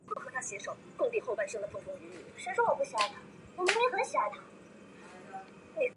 江某畸节蜱为节蜱科畸节蜱属下的一个种。